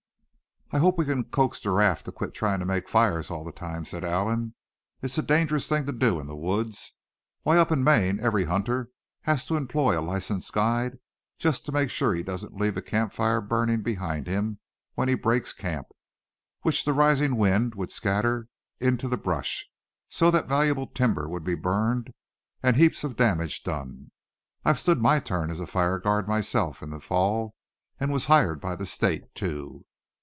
"I hope we can coax Giraffe to quit trying to make fires all the time," said Allan. "It's a dangerous thing to do in the woods. Why, up in Maine every hunter has to employ a licensed guide just to make sure he doesn't leave a camp fire burning behind him when he breaks camp, which the rising wind would scatter into the brush, so that valuable timber would be burned, and heaps of damage done. I've stood my turn as a fire guard myself in the Fall, and was hired by the State too."